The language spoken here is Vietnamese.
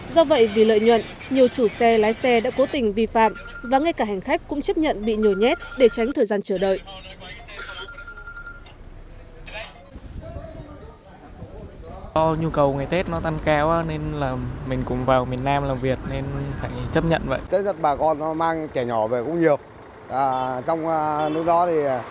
do vậy vì lợi nhuận nhiều chủ xe lái xe đã cố tình vi phạm và ngay cả hành khách cũng chấp nhận bị nhồi nhét để tránh thời gian chờ đợi